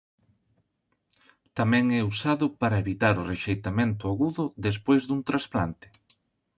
Tamén é usado para evitar o rexeitamento agudo despois dun transplante.